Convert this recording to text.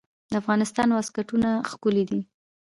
د افغانستان واسکټونه ښکلي دي